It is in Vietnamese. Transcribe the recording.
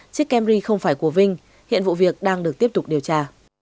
chiếc camry không phải của vinh hiện vụ việc đang được tiếp tục điều tra